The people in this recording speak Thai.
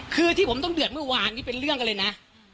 คือที่ผมต้องเดือดเมื่อวานนี้เป็นเรื่องกันเลยนะ